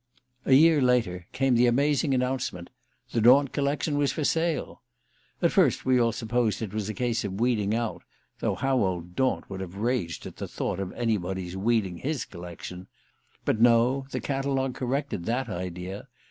A year later came the amazing announcement the Daunt collection was for sale. At first we all supposed it was a case of weeding out (though how old Daunt would have raged at the thought of anybody's weeding his collection!) But no the catalogue corrected that idea.